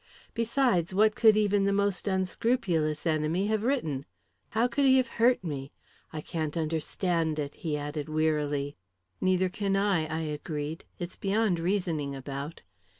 Besides, what could even the most unscrupulous enemy have written? How could he have hurt me? I can't understand it," he added wearily. "Neither can I," I agreed. "It's beyond reasoning about."